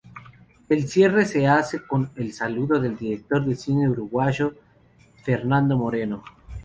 El cierre se hace con el saludo del director de Cine Uruguayo Fernando Moreno.